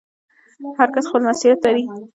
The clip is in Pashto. هر کس خپل مسوولیت لري